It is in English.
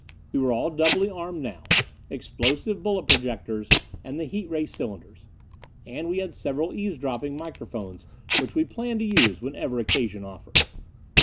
We were all doubly armed now. Explosive bullet projectors and the heat ray cylinders. And we had several eavesdropping microphones which we planned to use whenever occasion offered.